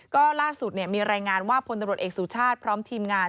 ก็ล่าสุดมีรายงานว่าพลตำรวจเอกสุชาติพร้อมทีมงาน